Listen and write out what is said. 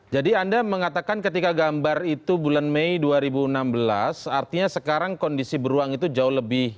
jadi anda mengatakan ketika gambar itu bulan mei dua ribu enam belas artinya sekarang kondisi beruang itu jauh lebih tinggi